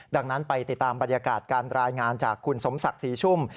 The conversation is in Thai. ดังนั้นไปติดตามบรรยากาศการรายงานจากคุณสมศักดิ์ศรีชุ่ม